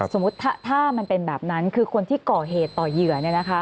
สมมุติถ้ามันเป็นแบบนั้นคือคนที่ก่อเหตุต่อเหยื่อ